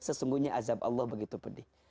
sesungguhnya azab allah begitu pedih